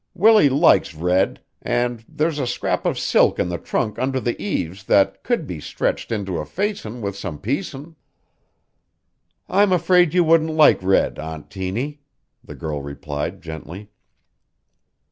Willie likes red, an' there's a scrap of silk in the trunk under the eaves that could be stretched into a facin' with some piecin'." "I'm afraid you wouldn't like red, Aunt Tiny," the girl replied gently.